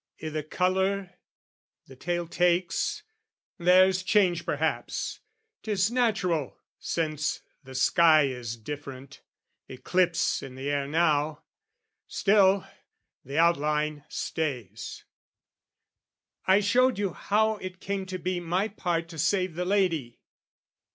I' the colour the tale takes, there's change perhaps; 'Tis natural, since the sky is different, Eclipse in the air now; still, the outline stays. I showed you how it came to be my part To save the lady.